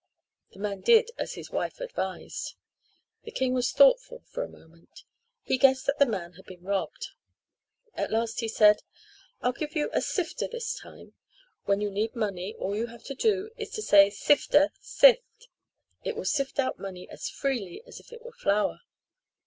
The man did as his wife advised. The king was thoughtful for a moment. He guessed that the man had been robbed. At last he said: "I'll give you a sifter this time. Then when you need money all you have to do is to say, 'Sifter, sift!' It will sift out money as freely as if it were flour."